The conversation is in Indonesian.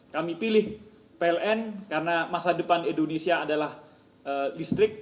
kami pilih pln karena masa depan indonesia adalah listrik